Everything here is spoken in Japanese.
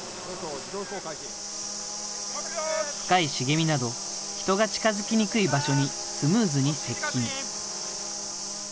深い茂みなど、人が近づきにくい場所にスムーズに接近。